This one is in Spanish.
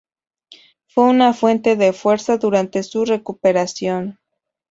Fue una fuente de fuerza durante su recuperación.